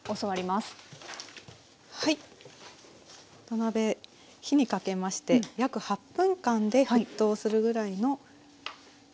土鍋火にかけまして約８分間で沸騰するぐらいの。